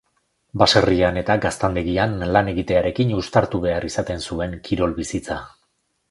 Baserrian eta gaztandegian lan egitearekin uztartu behar izaten zuen kirol bizitza.